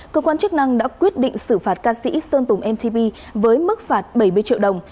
cơ quan chức năng đã quyết định xử phạt ca sĩ sơn tùng mtv với mức phạt bảy mươi triệu đồng